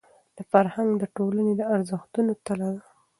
فرهنګ د ټولني د ارزښتونو تله ده.